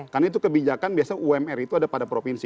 karena itu kebijakan biasanya umr itu ada pada provinsi